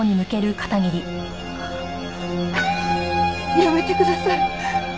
やめてください。